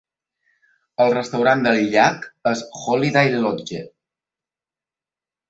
El restaurant del llac és Holiday Lodge.